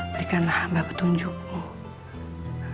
berikanlah hamba petunjukmu